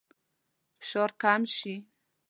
فشار کم شي.